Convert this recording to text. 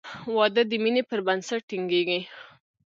• واده د مینې پر بنسټ ټینګېږي.